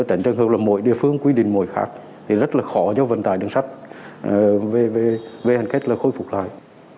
tránh trường hợp là mỗi địa phương quy định mỗi khác thì rất là khó cho vận tải đường sắt về hành khách là khôi phục lại